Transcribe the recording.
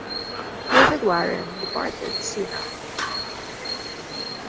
David Warren departed soon after.